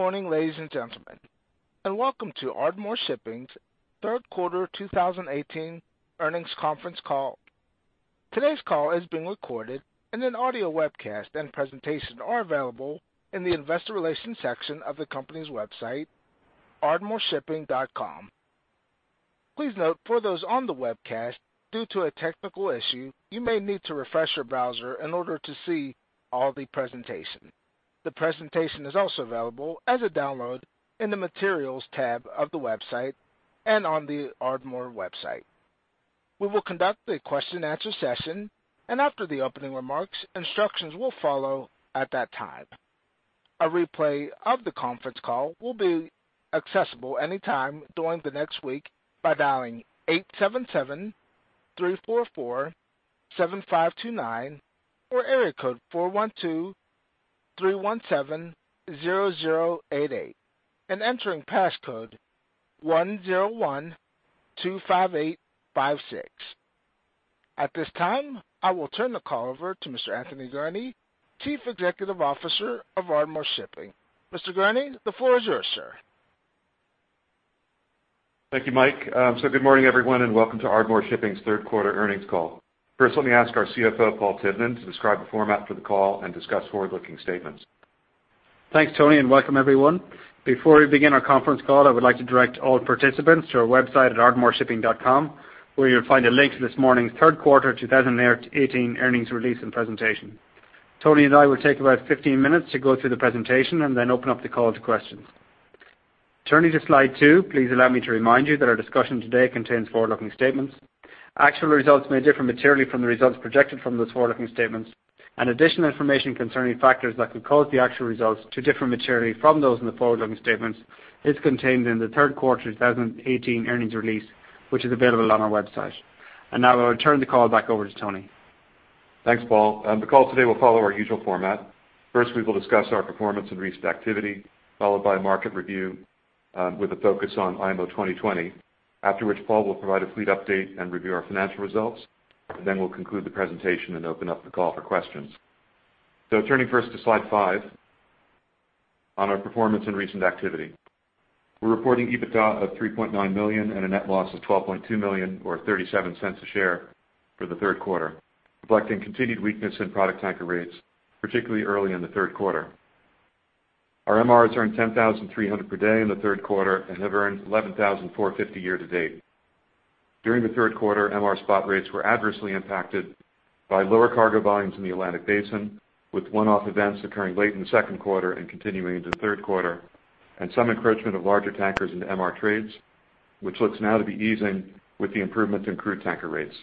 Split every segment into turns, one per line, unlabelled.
Good morning, ladies and gentlemen, and welcome to Ardmore Shipping's Third Quarter 2018 Earnings Conference Call. Today's call is being recorded, and an audio webcast and presentation are available in the Investor Relations section of the company's website, ardmoreshipping.com. Please note, for those on the webcast, due to a technical issue, you may need to refresh your browser in order to see all the presentation. The presentation is also available as a download in the Materials tab of the website and on the Ardmore website. We will conduct a question-and-answer session, and after the opening remarks, instructions will follow at that time. A replay of the conference call will be accessible anytime during the next week by dialing 877-344-7529 or area code 412-317-0088 and entering passcode 10125856. At this time, I will turn the call over to Mr. Anthony Gurnee, Chief Executive Officer of Ardmore Shipping. Mr. Gurnee, the floor is yours, sir.
Thank you, Mike. Good morning, everyone, and welcome to Ardmore Shipping's third quarter earnings call. First, let me ask our CFO, Paul Tivnan, to describe the format for the call and discuss forward-looking statements.
Thanks, Tony, and welcome everyone. Before we begin our conference call, I would like to direct all participants to our website at ardmoreshipping.com, where you'll find a link to this morning's third quarter 2018 earnings release and presentation. Tony and I will take about 15 minutes to go through the presentation and then open up the call to questions. Turning to Slide two, please allow me to remind you that our discussion today contains forward-looking statements. Actual results may differ materially from the results projected from those forward-looking statements, and additional information concerning factors that could cause the actual results to differ materially from those in the forward-looking statements is contained in the third quarter 2018 earnings release, which is available on our website. Now I will turn the call back over to Tony.
Thanks, Paul. The call today will follow our usual format. First, we will discuss our performance and recent activity, followed by a market review, with a focus on IMO 2020, after which Paul will provide a fleet update and review our financial results, and then we'll conclude the presentation and open up the call for questions. Turning first to Slide 5 on our performance and recent activity. We're reporting EBITDA of $3.9 million and a net loss of $12.2 million, or $0.37 per share for the third quarter, reflecting continued weakness in product tanker rates, particularly early in the third quarter. Our MRs earned 10,300 per day in the third quarter and have earned 11,450 year to date. During the third quarter, MR spot rates were adversely impacted by lower cargo volumes in the Atlantic Basin, with one-off events occurring late in the second quarter and continuing into the third quarter, and some encroachment of larger tankers into MR trades, which looks now to be easing with the improvements in crude tanker rates.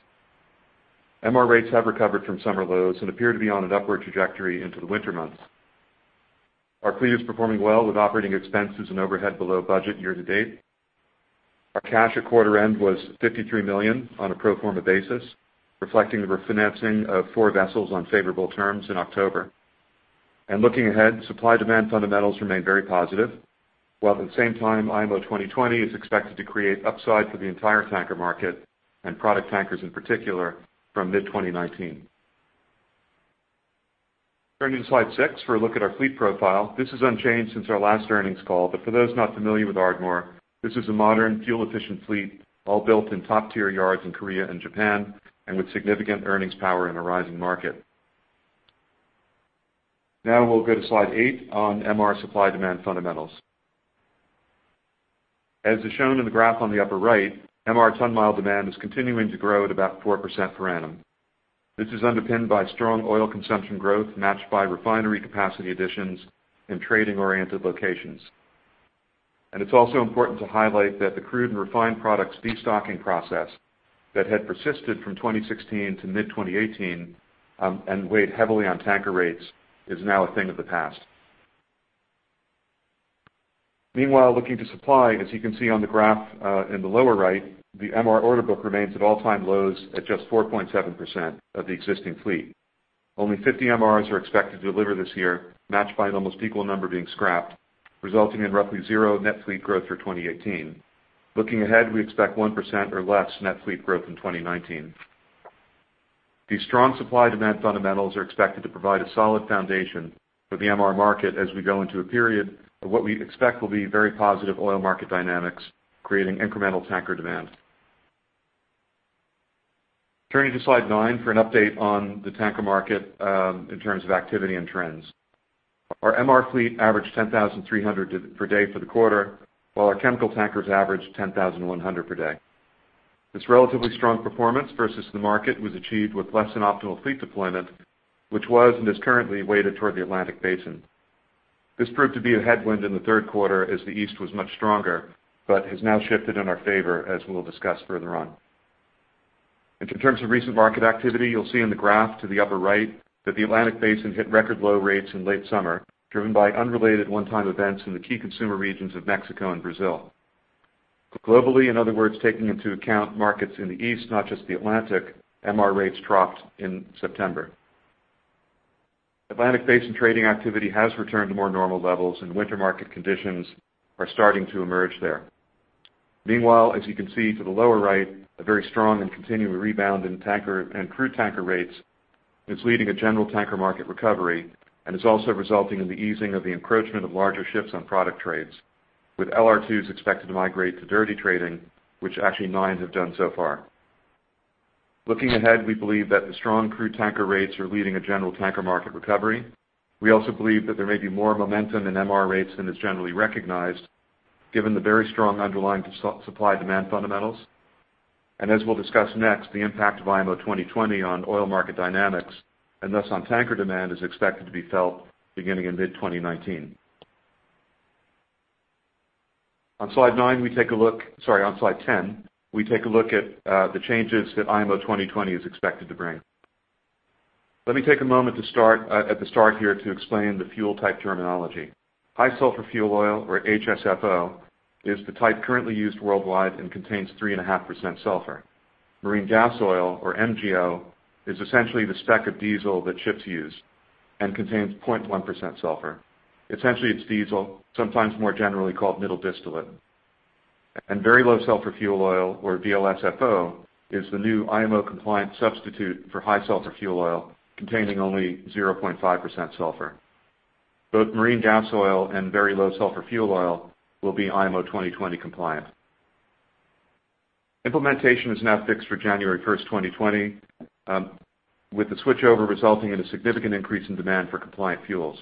MR rates have recovered from summer lows and appear to be on an upward trajectory into the winter months. Our fleet is performing well, with operating expenses and overhead below budget year to date. Our cash at quarter end was $53 million on a pro forma basis, reflecting the refinancing of four vessels on favorable terms in October. Looking ahead, supply-demand fundamentals remain very positive, while at the same time, IMO 2020 is expected to create upside for the entire tanker market and product tankers in particular, from mid-2019. Turning to Slide six for a look at our fleet profile. This is unchanged since our last earnings call, but for those not familiar with Ardmore, this is a modern, fuel-efficient fleet, all built in top-tier yards in Korea and Japan, and with significant earnings power in a rising market. Now we'll go to Slide eight on MR supply-demand fundamentals. As is shown in the graph on the upper right, MR ton-mile demand is continuing to grow at about 4% per annum. This is underpinned by strong oil consumption growth, matched by refinery capacity additions in trading-oriented locations. And it's also important to highlight that the crude and refined products destocking process that had persisted from 2016 to mid-2018, and weighed heavily on tanker rates, is now a thing of the past. Meanwhile, looking to supply, as you can see on the graph, in the lower right, the MR order book remains at all-time lows at just 4.7% of the existing fleet. Only 50 MRs are expected to deliver this year, matched by an almost equal number being scrapped, resulting in roughly zero net fleet growth for 2018. Looking ahead, we expect 1% or less net fleet growth in 2019. These strong supply-demand fundamentals are expected to provide a solid foundation for the MR market as we go into a period of what we expect will be very positive oil market dynamics, creating incremental tanker demand. Turning to Slide 9 for an update on the tanker market, in terms of activity and trends. Our MR fleet averaged $10,300 per day for the quarter, while our chemical tankers averaged $10,100 per day. This relatively strong performance versus the market was achieved with less than optimal fleet deployment, which was and is currently weighted toward the Atlantic Basin. This proved to be a headwind in the third quarter, as the East was much stronger, but has now shifted in our favor, as we will discuss further on. In terms of recent market activity, you'll see in the graph to the upper right that the Atlantic Basin hit record low rates in late summer, driven by unrelated one-time events in the key consumer regions of Mexico and Brazil. Globally, in other words, taking into account markets in the East, not just the Atlantic, MR rates dropped in September. Atlantic Basin trading activity has returned to more normal levels, and winter market conditions are starting to emerge there. Meanwhile, as you can see to the lower right, a very strong and continuing rebound in tanker and crude tanker rates is leading a general tanker market recovery, and is also resulting in the easing of the encroachment of larger ships on product trades, with LR2s expected to migrate to dirty trading, which actually nine have done so far. Looking ahead, we believe that the strong crude tanker rates are leading a general tanker market recovery. We also believe that there may be more momentum in MR rates than is generally recognized, given the very strong underlying supply-demand fundamentals. And as we'll discuss next, the impact of IMO 2020 on oil market dynamics, and thus on tanker demand, is expected to be felt beginning in mid-2019. On Slide ten, we take a look at the changes that IMO 2020 is expected to bring. Let me take a moment to start at the start here to explain the fuel type terminology. High sulfur fuel oil, or HSFO, is the type currently used worldwide and contains 3.5% sulfur. Marine gas oil, or MGO, is essentially the spec of diesel that ships use and contains 0.1% sulfur. Essentially, it's diesel, sometimes more generally called middle distillate. And very low sulfur fuel oil, or VLSFO, is the new IMO-compliant substitute for high sulfur fuel oil, containing only 0.5% sulfur. Both marine gas oil and very low sulfur fuel oil will be IMO 2020 compliant. Implementation is now fixed for January first, 2020, with the switchover resulting in a significant increase in demand for compliant fuels.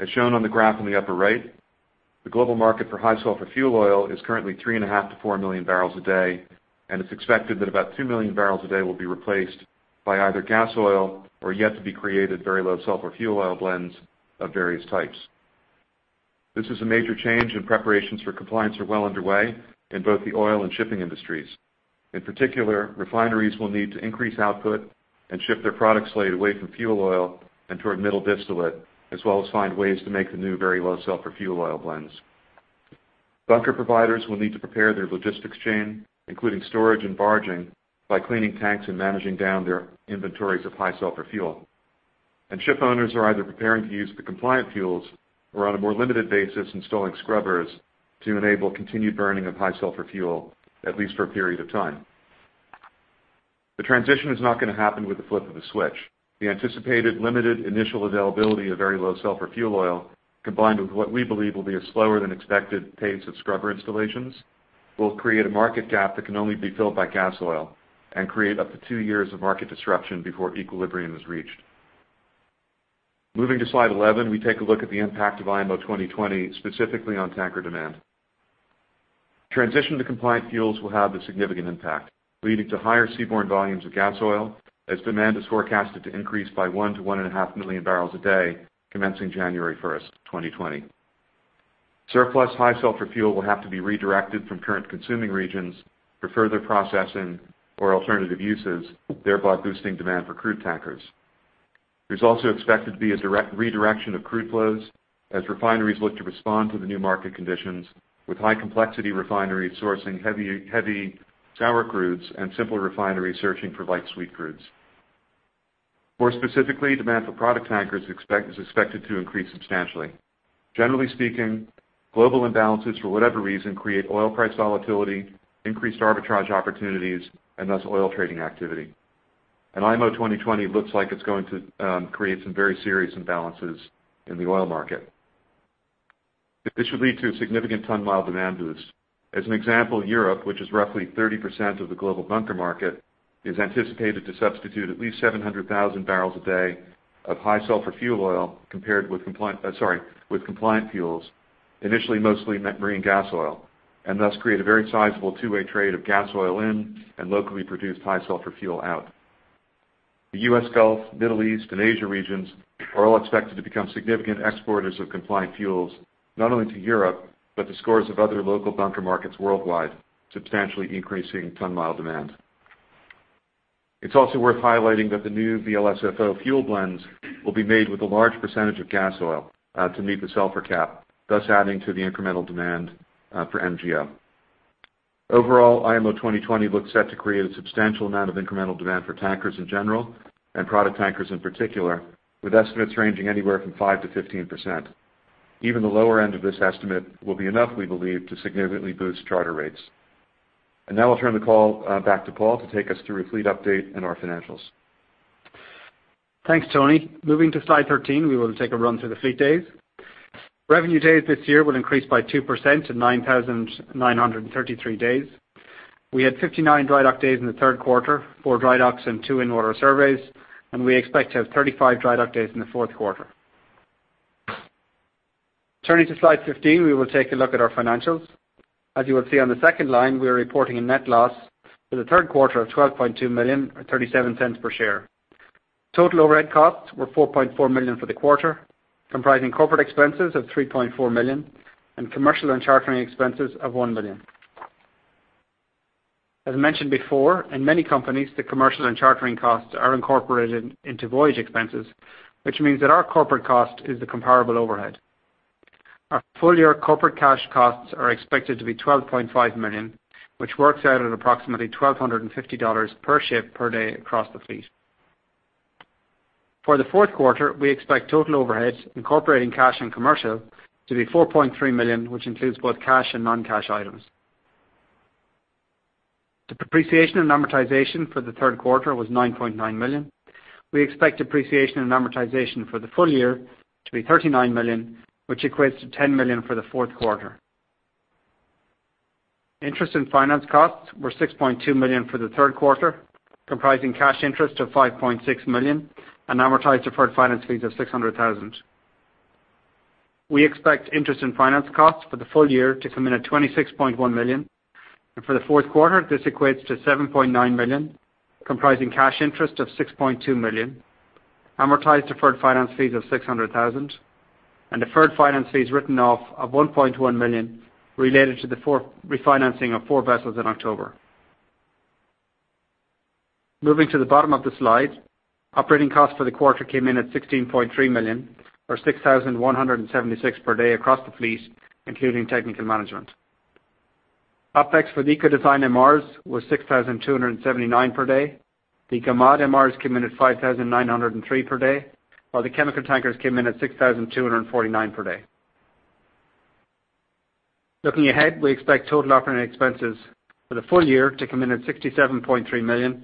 As shown on the graph in the upper right, the global market for high sulfur fuel oil is currently 3.5-4 million barrels a day, and it's expected that about two million barrels a day will be replaced by either gas oil or yet to be created very low sulfur fuel oil blends of various types. This is a major change, and preparations for compliance are well underway in both the oil and shipping industries. In particular, refineries will need to increase output and shift their product slate away from fuel oil and toward middle distillate, as well as find ways to make the new very low sulfur fuel oil blends. Bunker providers will need to prepare their logistics chain, including storage and barging, by cleaning tanks and managing down their inventories of high sulfur fuel. Ship owners are either preparing to use the compliant fuels or, on a more limited basis, installing scrubbers to enable continued burning of high sulfur fuel, at least for a period of time. The transition is not going to happen with the flip of a switch. The anticipated limited initial availability of very low sulfur fuel oil, combined with what we believe will be a slower than expected pace of scrubber installations, will create a market gap that can only be filled by gas oil and create up to two years of market disruption before equilibrium is reached. Moving to Slide 11, we take a look at the impact of IMO 2020, specifically on tanker demand. Transition to compliant fuels will have a significant impact, leading to higher seaborne volumes of gas oil, as demand is forecasted to increase by 1-1.5 million barrels a day, commencing January 1st, 2020. Surplus high sulfur fuel will have to be redirected from current consuming regions for further processing or alternative uses, thereby boosting demand for crude tankers. There's also expected to be a direct redirection of crude flows as refineries look to respond to the new market conditions, with high complexity refineries sourcing heavy, heavy sour crudes and simpler refineries searching for light sweet crudes. More specifically, demand for product tankers is expected to increase substantially. Generally speaking, global imbalances, for whatever reason, create oil price volatility, increased arbitrage opportunities, and thus oil trading activity. IMO 2020 looks like it's going to create some very serious imbalances in the oil market. This should lead to a significant ton-mile demand boost. As an example, Europe, which is roughly 30% of the global bunker market, is anticipated to substitute at least 700,000 barrels a day of high sulfur fuel oil compared with compliant fuels, initially, mostly MGO, and thus create a very sizable two-way trade of gas oil in and locally produced high sulfur fuel out. The U.S. Gulf, Middle East, and Asia regions are all expected to become significant exporters of compliant fuels, not only to Europe, but to scores of other local bunker markets worldwide, substantially increasing ton-mile demand. It's also worth highlighting that the new VLSFO fuel blends will be made with a large percentage of gas oil to meet the sulfur cap, thus adding to the incremental demand for MGO. Overall, IMO 2020 looks set to create a substantial amount of incremental demand for tankers in general and product tankers in particular, with estimates ranging anywhere from 5%-15%. Even the lower end of this estimate will be enough, we believe, to significantly boost charter rates. And now I'll turn the call back to Paul to take us through fleet update and our financials.
Thanks, Tony. Moving to Slide 13, we will take a run through the fleet days. Revenue days this year will increase by 2% to 9,933 days. We had 59 dry dock days in the third quarter, four dry docks and 2 in-water surveys, and we expect to have 35 dry dock days in the fourth quarter. Turning to Slide 15, we will take a look at our financials. As you will see on the second line, we are reporting a net loss for the third quarter of $12.2 million, or $0.37 per share. Total overhead costs were $4.4 million for the quarter, comprising corporate expenses of $3.4 million and commercial and chartering expenses of $1 million. As mentioned before, in many companies, the commercial and chartering costs are incorporated into voyage expenses, which means that our corporate cost is the comparable overhead. Our full-year corporate cash costs are expected to be $12.5 million, which works out at approximately $1,250 per ship per day across the fleet. For the fourth quarter, we expect total overheads, incorporating cash and commercial, to be $4.3 million, which includes both cash and non-cash items. The depreciation and amortization for the third quarter was $9.9 million. We expect depreciation and amortization for the full year to be $39 million, which equates to $10 million for the fourth quarter. Interest and finance costs were $6.2 million for the third quarter, comprising cash interest of $5.6 million and amortized deferred finance fees of $600,000. We expect interest and finance costs for the full year to come in at $26.1 million. For the fourth quarter, this equates to $7.9 million, comprising cash interest of $6.2 million, amortized deferred finance fees of $600,000, and deferred finance fees written off of $1.1 million related to the refinancing of four vessels in October. Moving to the bottom of the slide, operating costs for the quarter came in at $16.3 million, or 6,176 per day across the fleet, including technical management. OpEx for the Eco-Design MRs was 6,279 per day. The Eco-Mod MRs came in at 5,903 per day, while the chemical tankers came in at 6,249 per day. Looking ahead, we expect total operating expenses for the full year to come in at $67.3 million,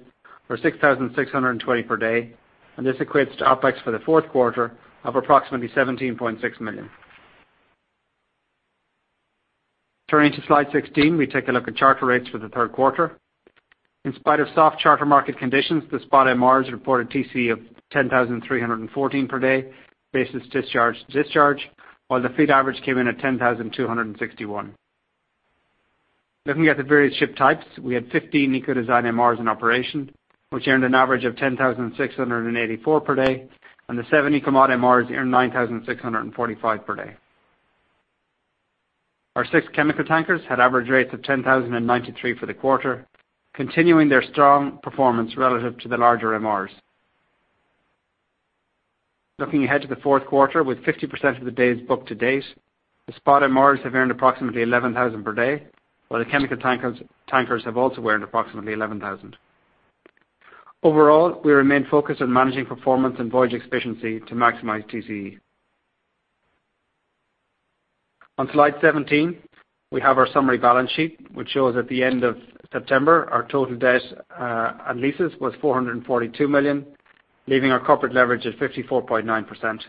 or $6,620 per day, and this equates to OpEx for the fourth quarter of approximately $17.6 million. Turning to Slide 16, we take a look at charter rates for the third quarter. In spite of soft charter market conditions, the spot MRs reported TCE of $10,314 per day, basis discharge to discharge, while the fleet average came in at $10,261. Looking at the various ship types, we had 15 Eco-Design MRs in operation, which earned an average of $10,684 per day, and the seven Eco-Mod MRs earned $9,645 per day. Our six chemical tankers had average rates of $10,093 for the quarter, continuing their strong performance relative to the larger MRs. Looking ahead to the fourth quarter, with 50% of the days booked to date, the spot MRs have earned approximately $11,000 per day, while the chemical tankers, tankers have also earned approximately $11,000. Overall, we remain focused on managing performance and voyage efficiency to maximize TCE. On Slide 17, we have our summary balance sheet, which shows at the end of September, our total debt and leases was $442 million, leaving our corporate leverage at 54.9%.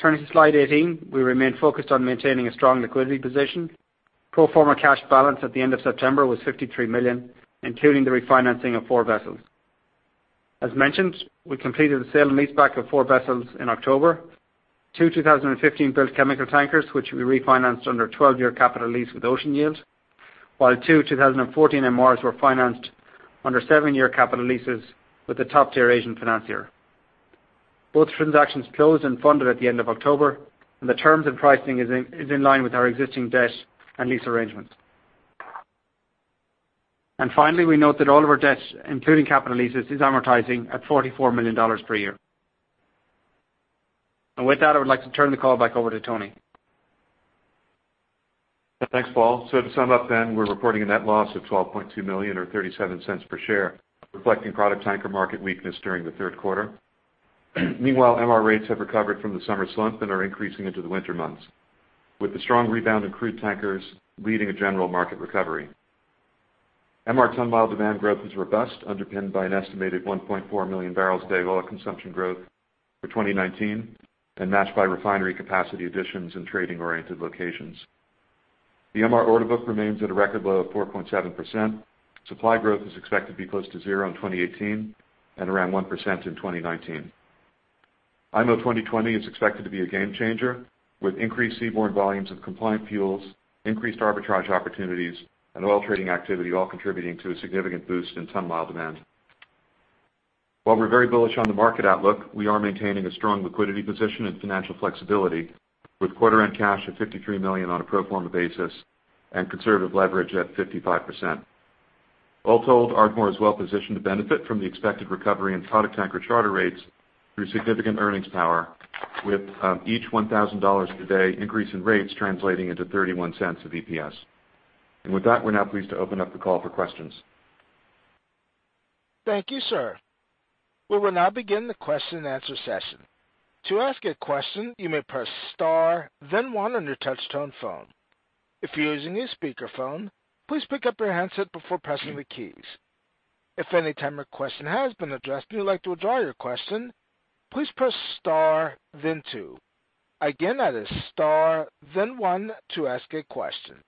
Turning to Slide 18, we remain focused on maintaining a strong liquidity position. Pro forma cash balance at the end of September was $53 million, including the refinancing of four vessels. As mentioned, we completed the sale and leaseback of four vessels in October. Two 2015-built chemical tankers, which we refinanced under a 12-year capital lease with Ocean Yield, while two 2014 MRs were financed under seven-year capital leases with a top-tier Asian financier. Both transactions closed and funded at the end of October, and the terms and pricing is in line with our existing debt and lease arrangements. And finally, we note that all of our debts, including capital leases, is amortizing at $44 million per year. And with that, I would like to turn the call back over to Tony.
Thanks, Paul. So to sum up then, we're reporting a net loss of $12.2 million or $0.37 per share, reflecting product tanker market weakness during the third quarter. Meanwhile, MR rates have recovered from the summer slump and are increasing into the winter months, with the strong rebound in crude tankers leading a general market recovery. MR ton-mile demand growth is robust, underpinned by an estimated 1.4 million barrels a day oil consumption growth for 2019, and matched by refinery capacity additions in trading-oriented locations. The MR order book remains at a record low of 4.7%. Supply growth is expected to be close to zero in 2018 and around 1% in 2019. IMO 2020 is expected to be a game changer, with increased seaborne volumes of compliant fuels, increased arbitrage opportunities and oil trading activity, all contributing to a significant boost in ton-mile demand. While we're very bullish on the market outlook, we are maintaining a strong liquidity position and financial flexibility, with quarter-end cash of $53 million on a pro forma basis and conservative leverage at 55%. All told, Ardmore is well positioned to benefit from the expected recovery in product tanker charter rates through significant earnings power, with each $1,000 per day increase in rates translating into $0.31 of EPS. And with that, we're now pleased to open up the call for questions.
Thank you, sir. We will now begin the question-and-answer session. To ask a question, you may press star, then one on your touch-tone phone. If you're using a speakerphone, please pick up your handset before pressing the keys. If at any time your question has been addressed and you'd like to withdraw your question, please press star, then two. Again, that is star, then one to ask a question.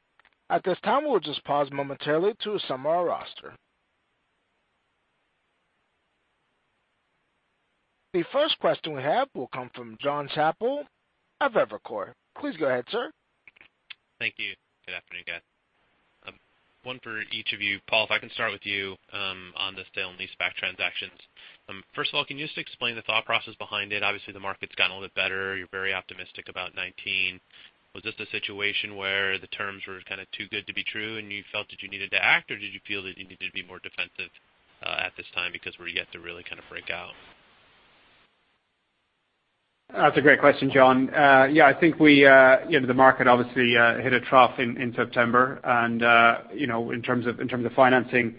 At this time, we'll just pause momentarily to assemble our roster. The first question we have will come from John Chappell of Evercore. Please go ahead, sir.
Thank you. Good afternoon, guys. One for each of you. Paul, if I can start with you, on the sale and leaseback transactions. First of all, can you just explain the thought process behind it? Obviously, the market's gotten a little bit better. You're very optimistic about 2019. Was this a situation where the terms were kind of too good to be true, and you felt that you needed to act, or did you feel that you needed to be more defensive, at this time because we're yet to really kind of break out?
That's a great question, John. Yeah, I think we, you know, the market obviously hit a trough in September. You know, in terms of financing,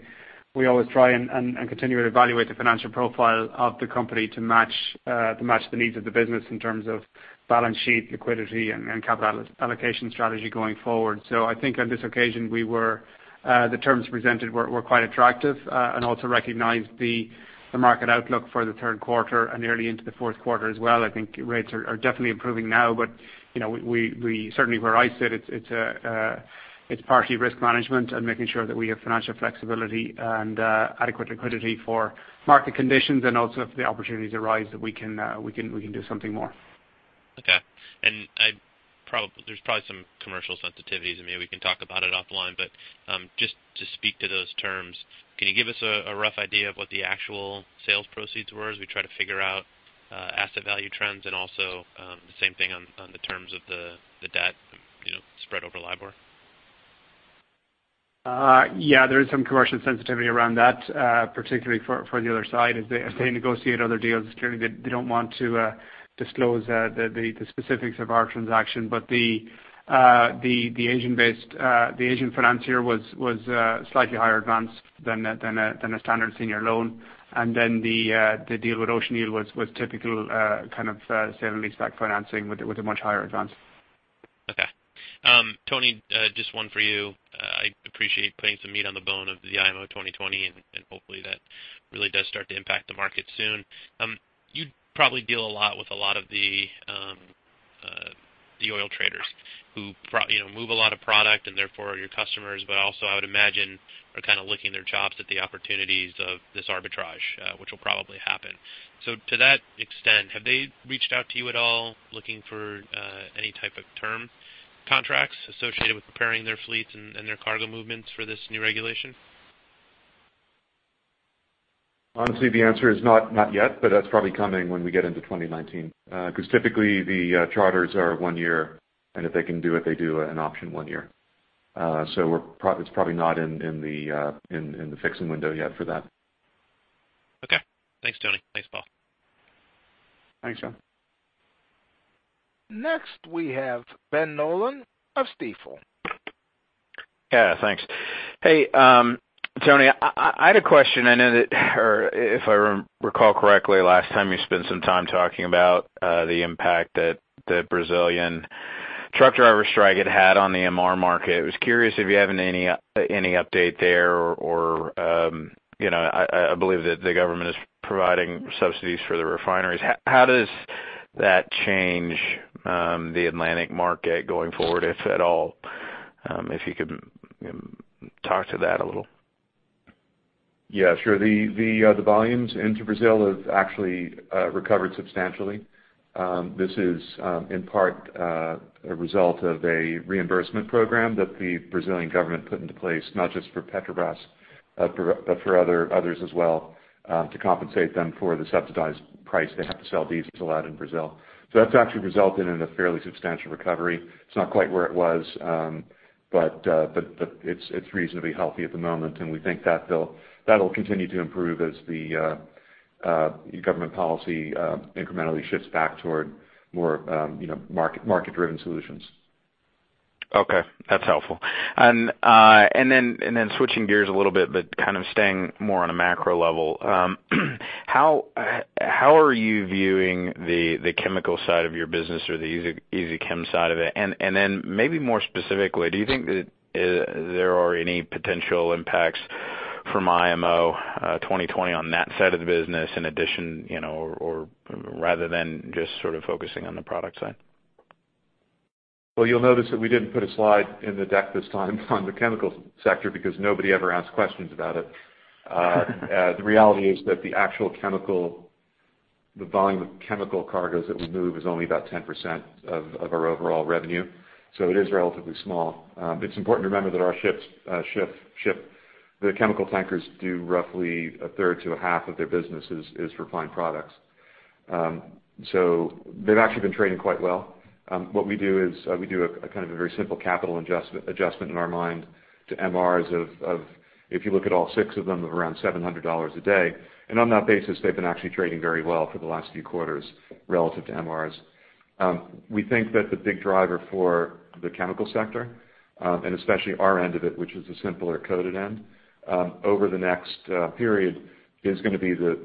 we always try and continue to evaluate the financial profile of the company to match the needs of the business in terms of balance sheet, liquidity, and capital allocation strategy going forward. So I think on this occasion, the terms presented were quite attractive, and also recognized the market outlook for the third quarter and early into the fourth quarter as well. I think rates are definitely improving now, but, you know, we certainly where I sit, it's partly risk management and making sure that we have financial flexibility and adequate liquidity for market conditions, and also if the opportunities arise, that we can do something more.
Okay. And there's probably some commercial sensitivities, and maybe we can talk about it offline, but just to speak to those terms, can you give us a rough idea of what the actual sales proceeds were as we try to figure out asset value trends and also the same thing on the terms of the debt, you know, spread over LIBOR?
Yeah, there is some commercial sensitivity around that, particularly for the other side. As they negotiate other deals, clearly, they don't want to disclose the specifics of our transaction. But the Asian-based financier was slightly higher advanced than a standard senior loan. And then the deal with Ocean Yield was typical kind of sale and leaseback financing with a much higher advance.
Okay. Tony, just one for you. I appreciate putting some meat on the bone of the IMO 2020, and, and hopefully that really does start to impact the market soon. You probably deal a lot with a lot of the, the oil traders who you know, move a lot of product and therefore are your customers, but also, I would imagine, are kind of licking their chops at the opportunities of this arbitrage, which will probably happen. So to that extent, have they reached out to you at all, looking for, any type of term contracts associated with preparing their fleets and, and their cargo movements for this new regulation?
Honestly, the answer is not, not yet, but that's probably coming when we get into 2019. Because typically the charters are one year, and if they can do it, they do an option one year. So it's probably not in the fixing window yet for that.
Okay. Thanks, Tony. Thanks, Paul.
Thanks, John.
Next, we have Ben Nolan of Stifel.
Yeah, thanks. Hey, Tony, I had a question. I know that, or if I recall correctly, last time you spent some time talking about the impact that the Brazilian truck driver strike had had on the MR market. I was curious if you have any update there or, you know, I believe that the government is providing subsidies for the refineries. How does that change the Atlantic market going forward, if at all? If you could talk to that a little.
Yeah, sure. The volumes into Brazil have actually recovered substantially. This is, in part, a result of a reimbursement program that the Brazilian government put into place, not just for Petrobras, but for others as well, to compensate them for the subsidized price they have to sell diesel at in Brazil. So that's actually resulted in a fairly substantial recovery. It's not quite where it was, but it's reasonably healthy at the moment, and we think that that'll continue to improve as the government policy incrementally shifts back toward more, you know, market-driven solutions.
Okay, that's helpful. And then switching gears a little bit, but kind of staying more on a macro level, how are you viewing the chemical side of your business or the IMO chem side of it? And then maybe more specifically, do you think that there are any potential impacts from IMO 2020 on that side of the business, in addition, you know, or rather than just sort of focusing on the product side?
Well, you'll notice that we didn't put a slide in the deck this time on the chemical sector because nobody ever asks questions about it. The reality is that the actual chemical, the volume of chemical cargoes that we move is only about 10% of our overall revenue, so it is relatively small. It's important to remember that our ships, the chemical tankers do roughly a third to a half of their business is refined products. So they've actually been trading quite well. What we do is we do a kind of a very simple capital adjustment in our mind to MRs of, if you look at all six of them, around $700 a day. And on that basis, they've been actually trading very well for the last few quarters relative to MRs. We think that the big driver for the chemical sector, and especially our end of it, which is the simpler coated end, over the next period, is gonna be the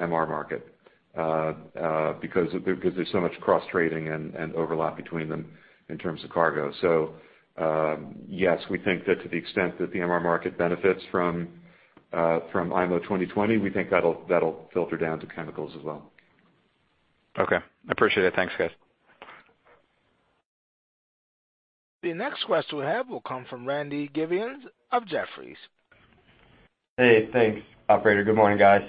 MR market, because there's so much cross-trading and overlap between them in terms of cargo. So, yes, we think that to the extent that the MR market benefits from IMO 2020, we think that'll filter down to chemicals as well.
Okay, I appreciate it. Thanks, guys.
The next question we have will come from Randy Giveans of Jefferies.
Hey, thanks, operator. Good morning, guys.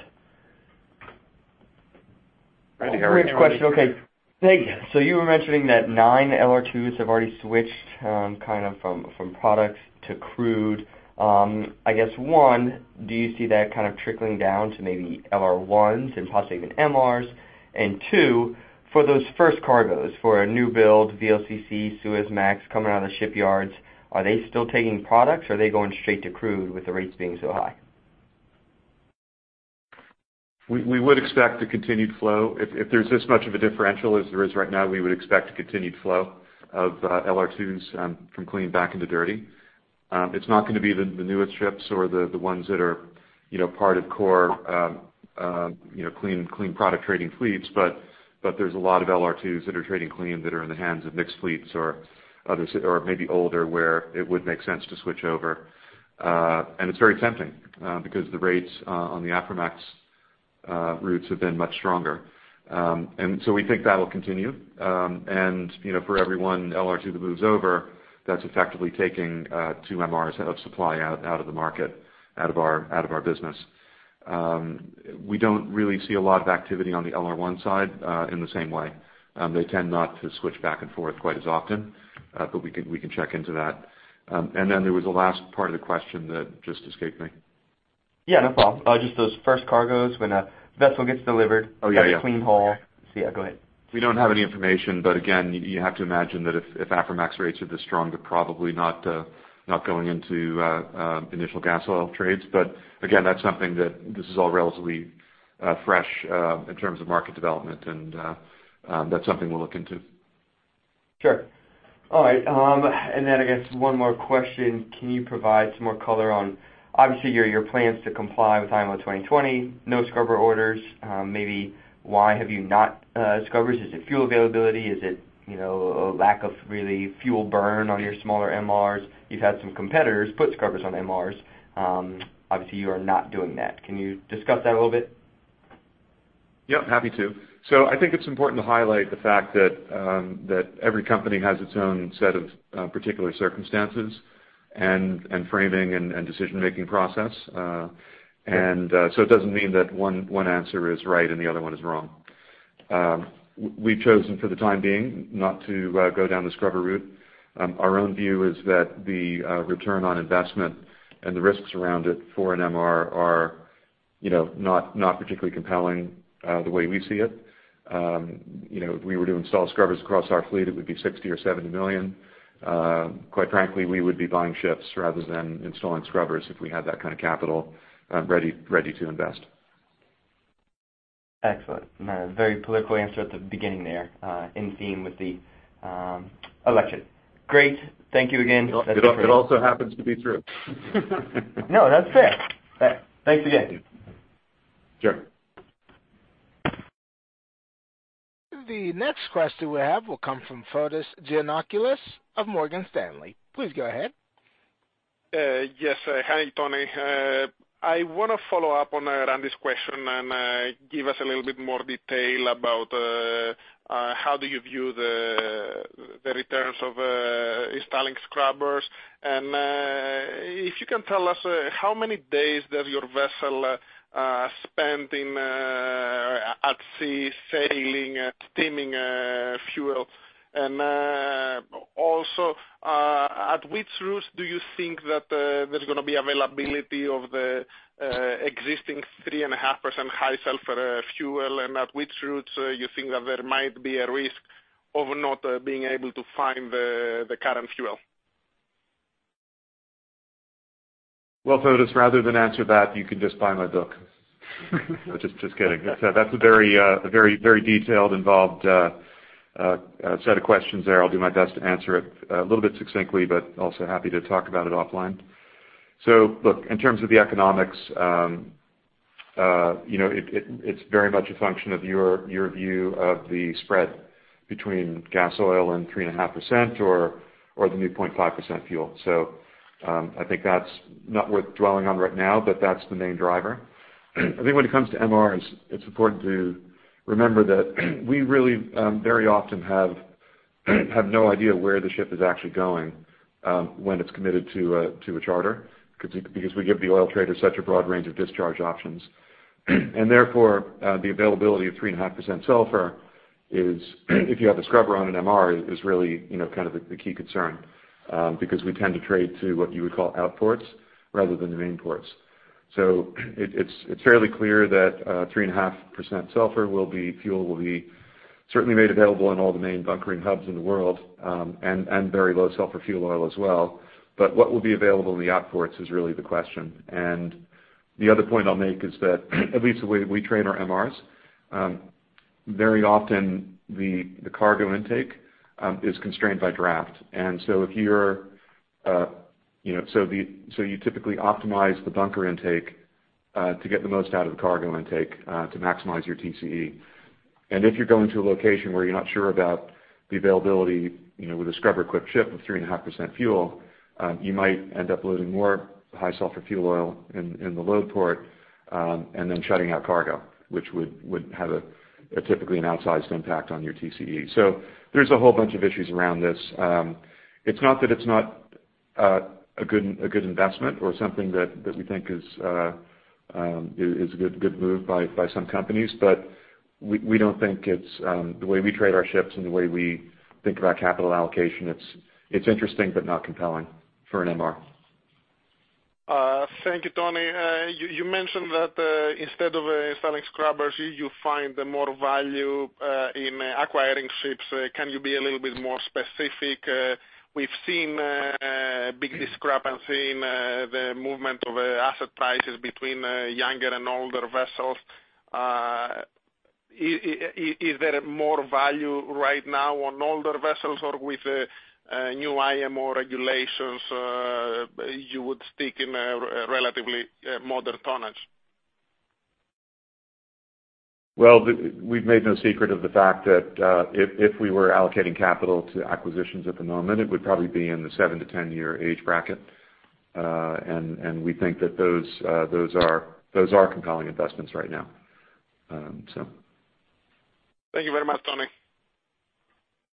Randy, how are you?
Great question. Okay, thanks. So you were mentioning that nine LR2s have already switched, kind of from products to crude. I guess, one, do you see that kind of trickling down to maybe LR1s and possibly even MRs? And two, for those first cargoes, for a new build, VLCC, Suezmax, coming out of the shipyards, are they still taking products, or are they going straight to crude with the rates being so high?
We would expect a continued flow. If there's this much of a differential as there is right now, we would expect a continued flow of LR2s from clean back into dirty. It's not gonna be the newest ships or the ones that are, you know, part of core clean product trading fleets, but there's a lot of LR2s that are trading clean, that are in the hands of mixed fleets or others, or maybe older, where it would make sense to switch over. And it's very tempting because the rates on the Aframax routes have been much stronger. And so we think that'll continue. And, you know, for every one LR2 that moves over, that's effectively taking two MRs of supply out of the market, out of our business. We don't really see a lot of activity on the LR1 side in the same way. They tend not to switch back and forth quite as often, but we can check into that. And then there was a last part of the question that just escaped me.
Yeah, no problem. Just those first cargoes when a vessel gets delivered-
Oh, yeah, yeah.
Got a clean hull. So yeah, go ahead.
We don't have any information, but again, you have to imagine that if Aframax rates are this strong, they're probably not going into initial gas oil trades. But again, that's something that this is all relatively fresh in terms of market development, and that's something we'll look into.
Sure. All right, and then I guess one more question. Can you provide some more color on, obviously, your, your plans to comply with IMO 2020, no scrubber orders? Maybe why have you not, scrubbers? Is it fuel availability? Is it, you know, a lack of really fuel burn on your smaller MRs? You've had some competitors put scrubbers on MRs. Obviously, you are not doing that. Can you discuss that a little bit?
Yep, happy to. So I think it's important to highlight the fact that every company has its own set of particular circumstances and framing and decision-making process. So it doesn't mean that one answer is right and the other one is wrong. We've chosen for the time being not to go down the scrubber route. Our own view is that the return on investment and the risks around it for an MR are, you know, not particularly compelling, the way we see it. You know, if we were to install scrubbers across our fleet, it would be $60 million or $70 million. Quite frankly, we would be buying ships rather than installing scrubbers if we had that kind of capital ready to invest.
Excellent. Very political answer at the beginning there, in theme with the election. Great. Thank you again.
It also happens to be true.
No, that's fair. Thanks again.
Sure.
The next question we have will come from Fotis Giannakoulis of Morgan Stanley. Please go ahead.
Yes. Hi, Tony. I wanna follow up on Randy's question, and give us a little bit more detail about how do you view the returns of installing scrubbers? And if you can tell us how many days does your vessel spend in at sea, sailing, steaming fuel? And also, at which routes do you think that there's gonna be availability of the existing 3.5% high sulfur fuel? And at which routes you think that there might be a risk of not being able to find the current fuel?
Well, Fotis, rather than answer that, you can just buy my book. No, just, just kidding. That's a very, a very, very detailed, involved, set of questions there. I'll do my best to answer it, a little bit succinctly, but also happy to talk about it offline. So look, in terms of the economics, you know, it, it's very much a function of your, your view of the spread between gas oil and 3.5%, or, or the new 0.5% fuel. So, I think that's not worth dwelling on right now, but that's the main driver. I think when it comes to MRs, it's important to remember that we really very often have no idea where the ship is actually going when it's committed to a charter, because we give the oil traders such a broad range of discharge options. And therefore, the availability of 3.5% sulfur is, if you have a scrubber on an MR, really you know kind of the key concern, because we tend to trade to what you would call outports rather than the main ports. So it's fairly clear that 3.5% sulfur fuel will be certainly made available in all the main bunkering hubs in the world, and very low sulfur fuel oil as well. But what will be available in the outports is really the question. And the other point I'll make is that at least the way we train our MRs, very often the cargo intake is constrained by draft. And so if you're You know, so you typically optimize the bunker intake to get the most out of the cargo intake to maximize your TCE. And if you're going to a location where you're not sure about the availability, you know, with a scrubber-equipped ship of 3.5% fuel, you might end up loading more high sulfur fuel oil in the load port, and then shutting out cargo, which would have a typically an outsized impact on your TCE. So there's a whole bunch of issues around this. It's not that it's not a good investment or something that we think is a good move by some companies, but we don't think it's... The way we trade our ships and the way we think about capital allocation, it's interesting, but not compelling for an MR.
Thank you, Tony. You mentioned that instead of installing scrubbers, you find more value in acquiring ships. Can you be a little bit more specific? We've seen a big discrepancy in the movement of asset prices between younger and older vessels. Is there more value right now on older vessels, or with new IMO regulations, you would stick in a relatively modern tonnage?
Well, we've made no secret of the fact that if we were allocating capital to acquisitions at the moment, it would probably be in the seven-10-year age bracket. And we think that those are compelling investments right now. So.
Thank you very much, Tony.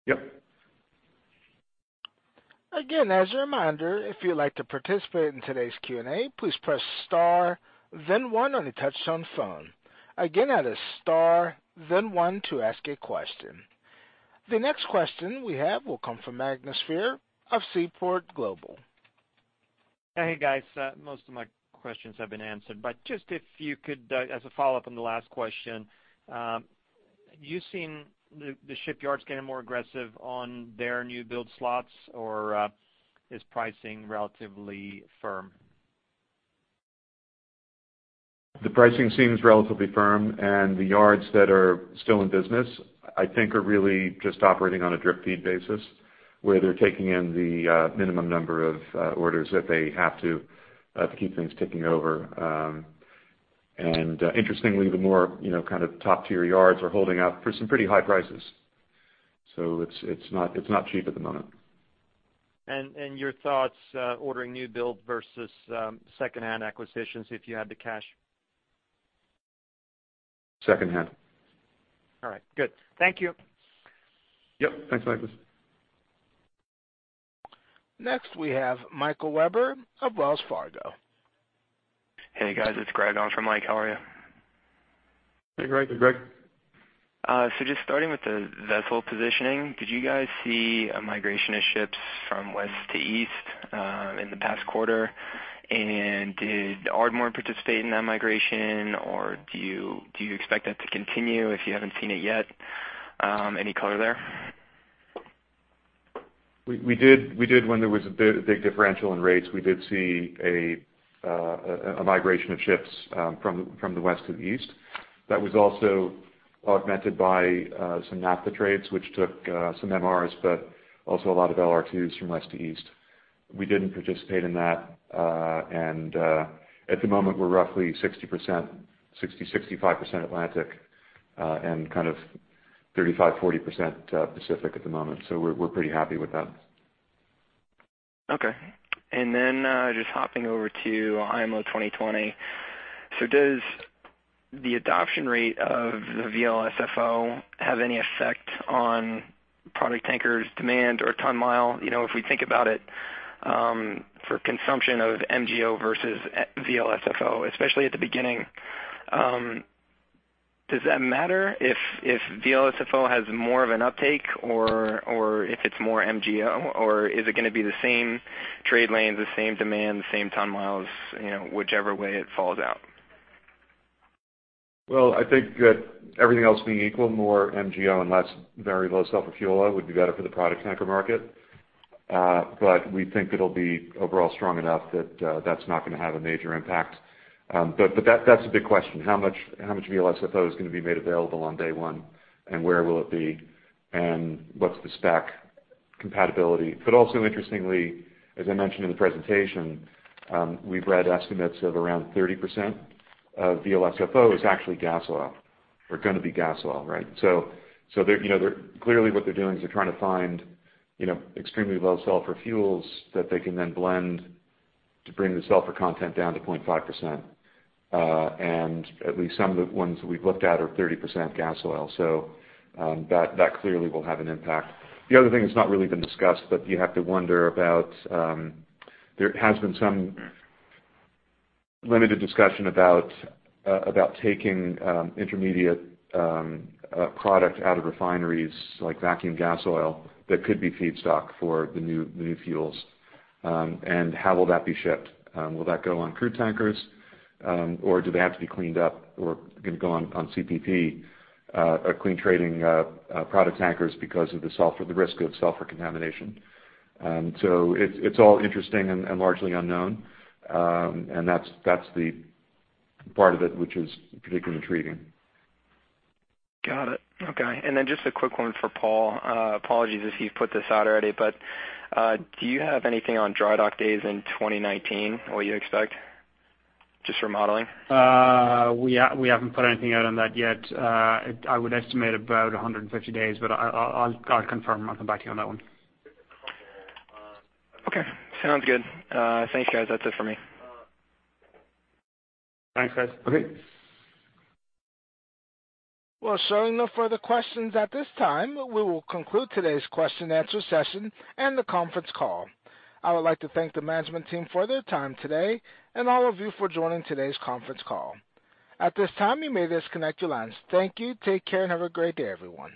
Yep.
Again, as a reminder, if you'd like to participate in today's Q&A, please press star then one on your touchtone phone. Again, that is star then one to ask a question. The next question we have will come from Magnus Fyhr of Seaport Global.
Hey, guys. Most of my questions have been answered, but just if you could, as a follow-up on the last question, you've seen the, the shipyards getting more aggressive on their new build slots, or is pricing relatively firm?
The pricing seems relatively firm, and the yards that are still in business, I think, are really just operating on a drip-feed basis, where they're taking in the minimum number of orders that they have to to keep things ticking over. And, interestingly, the more, you know, kind of top-tier yards are holding out for some pretty high prices. So it's, it's not, it's not cheap at the moment.
Your thoughts, ordering new builds versus secondhand acquisitions if you had the cash?
Secondhand.
All right. Good. Thank you.
Yep, thanks, Magnus.
Next, we have Michael Webber of Wells Fargo.
Hey, guys, it's Greg on for Mike. How are you?
Hey, Greg.
Hey, Greg.
So just starting with the vessel positioning, did you guys see a migration of ships from West to East in the past quarter? And did Ardmore participate in that migration, or do you expect that to continue if you haven't seen it yet? Any color there?
We did when there was a big, big differential in rates, we did see a migration of ships from the West to the East. That was also augmented by some naphtha trades, which took some MRs, but also a lot of LR2s from West to East. We didn't participate in that. And at the moment, we're roughly 60%-65% Atlantic and 35%-40% Pacific at the moment, so we're pretty happy with that.
Okay. Just hopping over to IMO 2020. Does the adoption rate of the VLSFO have any effect on product tankers demand or ton-mile? You know, if we think about it, for consumption of MGO versus VLSFO, especially at the beginning, does that matter if VLSFO has more of an uptake or if it's more MGO, or is it gonna be the same trade lanes, the same demand, the same ton-miles, you know, whichever way it falls out?
Well, I think that everything else being equal, more MGO and less very low sulfur fuel oil would be better for the product tanker market. But we think it'll be overall strong enough that that's not gonna have a major impact. But that, that's a big question: How much VLSFO is going to be made available on day one, and where will it be, and what's the spec compatibility? But also, interestingly, as I mentioned in the presentation, we've read estimates of around 30% of VLSFO is actually gas oil or gonna be gas oil, right? So they're, you know, they're clearly what they're doing is they're trying to find, you know, extremely low sulfur fuels that they can then blend to bring the sulfur content down to 0.5%. And at least some of the ones we've looked at are 30% gas oil, so that clearly will have an impact. The other thing that's not really been discussed, but you have to wonder about, there has been some limited discussion about taking intermediate product out of refineries, like vacuum gas oil, that could be feedstock for the new, the new fuels. And how will that be shipped? Will that go on crude tankers, or do they have to be cleaned up or can go on CPP, or clean trading product tankers because of the sulfur, the risk of sulfur contamination? So it's all interesting and largely unknown. And that's the part of it, which is particularly intriguing.
Got it. Okay. And then just a quick one for Paul. Apologies if you've put this out already, but, do you have anything on dry dock days in 2019, what you expect, just for modeling?
We haven't put anything out on that yet. I would estimate about 150 days, but I'll confirm and I'll come back to you on that one.
Okay. Sounds good. Thanks, guys. That's it for me.
Thanks, guys.
Okay. Well, showing no further questions at this time, we will conclude today's question-answer session and the conference call. I would like to thank the management team for their time today and all of you for joining today's conference call. At this time, you may disconnect your lines. Thank you. Take care, and have a great day, everyone.